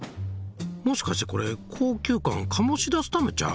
もしかしてこれ高級感醸し出すためちゃう？